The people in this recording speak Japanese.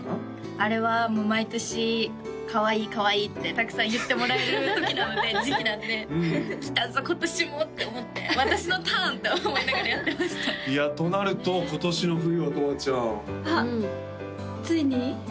あれはもう毎年かわいいかわいいってたくさん言ってもらえる時期なんで来たぞ今年もって思って私のターン！って思いながらやってましたいやとなると今年の冬はとわちゃんついに？